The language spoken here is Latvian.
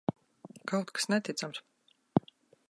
Kaut kas neticams!